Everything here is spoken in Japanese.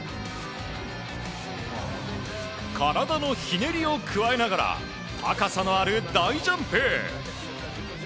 体のひねりを加えながら高さのある大ジャンプ。